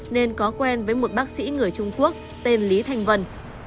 nên có quen với một bác sĩ người trung quốc tên lý thành vân